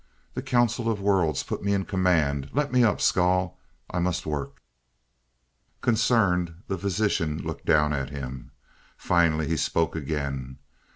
The Counsel of Worlds put me in command, let me up, Skahl, I must work." Concerned, the physician looked down at him. Finally he spoke again.